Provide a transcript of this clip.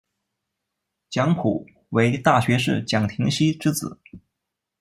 蒋溥为大学士蒋廷锡之子。